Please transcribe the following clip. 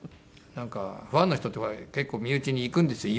なんかファンの人って結構身内に行くんですよ。